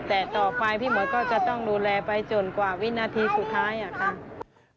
แต่ต่อไปพี่หมวดก็จะต้องดูแลไปจนกว่าวินาทีสุดท้ายอะค่ะ